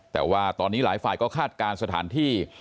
แต่ว่าตอนนี้หลายฝ่ายก็คาดการณ์สถานที่